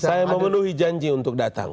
saya memenuhi janji untuk datang